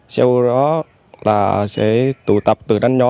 sau đó là sẽ tụ tập từ đánh nhỏ